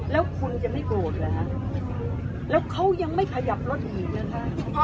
แล้วคุณจะไม่โกรธเหรอฮะแล้วเขายังไม่ขยับรถอีกนะคะ